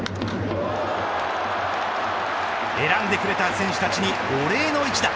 選んでくれた選手たちにお礼の一打。